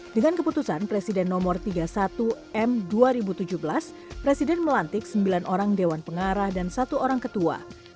dengan keputusan presiden nomor tiga puluh satu m dua ribu tujuh belas presiden melantik sembilan orang dewan pengarah dan satu orang ketua